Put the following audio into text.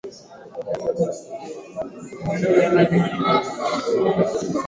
sasa nadhani kuwa hii ya nigeria niyakuonyesha kwamba hili halikubaliki kabisa